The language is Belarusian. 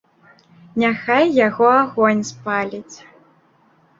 Няхай яго агонь спаліць.